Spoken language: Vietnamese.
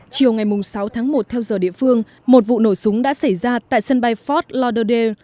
chiều ngày sáu tháng một theo giờ địa phương một vụ nổ súng đã xảy ra tại sân bay ford lode